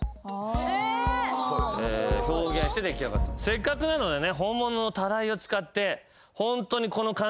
せっかくなのでね。